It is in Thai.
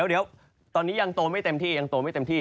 เดี๋ยวตอนนี้ยังโตไม่เต็มที่